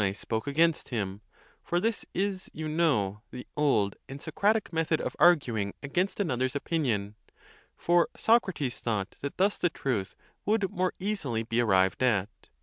spoke against him; for this is, you know, the old and So cratic method of arguing against another's opinion; for Socrates thought that thus the truth would more easily be arrived at.